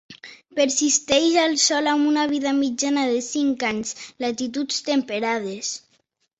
Persisteix al sòl amb una vida mitjana de cinc anys a latituds temperades.